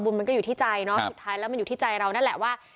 มันก็อยู่ที่ใจเนาะสุดท้ายแล้วมันอยู่ที่ใจเรานั่นแหละว่า